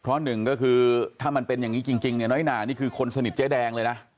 เพราะหนึ่งก็คือถ้ามันเป็นอย่างนี้จริงเนี่ยน้อยหนานี่คือคนสนิทเจ๊แดงเลยนะ